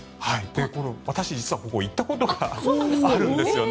私、実はこちらに行ったことがあるんです。